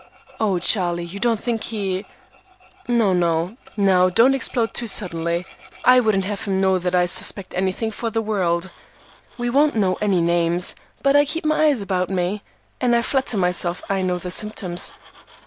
"O Charlie, you don't think he—" "No, no! Now don't explode too suddenly. I wouldn't have him know that I suspect anything for the world. We won't name any names, but I keep my eyes about me, and I flatter myself I know the symptoms."